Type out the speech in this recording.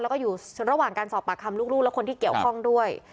แล้วก็อยู่ระหว่างการสอบปากคำลูกและคนที่เกี่ยวข้องด้วย